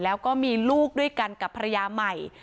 แล้วก็มีลูกด้วยกันกับภรรยาใหม่